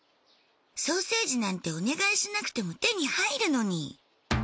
ソーセージなんてお願いしなくても手に入るのに。